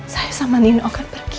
saya sama nini akan pergi